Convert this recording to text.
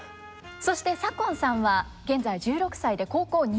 そして左近さんは現在１６歳で高校２年生。